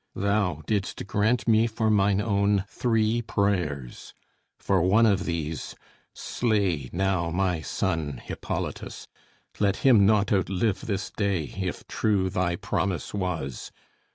Thou didst grant me for mine own Three prayers; for one of these, slay now my son, Hippolytus; let him not outlive this day, If true thy promise was!